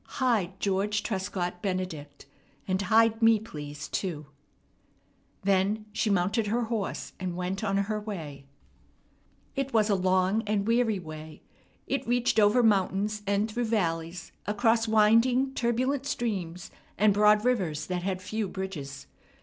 Hide George Trescott Benedict. And hide me, please, too." Then she mounted her horse, and went on her way. It was a long and weary way. It reached over mountains and through valleys, across winding, turbulent streams and broad rivers that had few bridges.